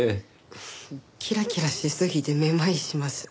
キラキラしすぎてめまいします。